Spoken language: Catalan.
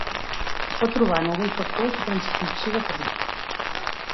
Es pot trobar en alguns factors de transcripció de fongs.